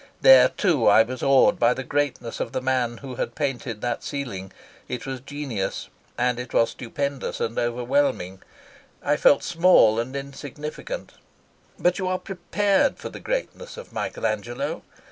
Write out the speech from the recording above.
There too I was awed by the greatness of the man who had painted that ceiling. It was genius, and it was stupendous and overwhelming. I felt small and insignificant. But you are prepared for the greatness of Michael Angelo.